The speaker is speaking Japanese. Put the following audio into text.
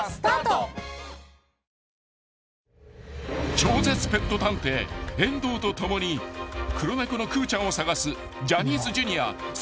［超絶ペット探偵遠藤と共に黒猫のくーちゃんを捜すジャニーズＪｒ．７